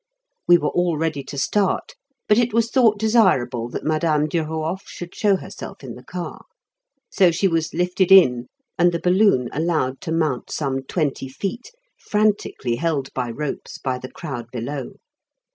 We were all ready to start, but it was thought desirable that Madame Duruof should show herself in the car. So she was lifted in, and the balloon allowed to mount some twenty feet, frantically held by ropes by the crowd below.